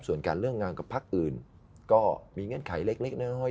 ส่วนการเลิกงานกับพักอื่นก็มีเงื่อนไขเล็กน้อย